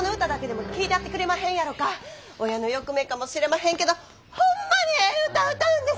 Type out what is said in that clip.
親の欲目かもしれまへんけどホンマにええ歌歌うんです！